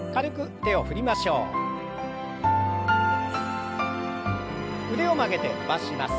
腕を曲げて伸ばします。